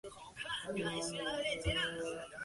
标准版收录了十八首曲目。